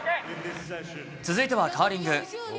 続いてはカーリング。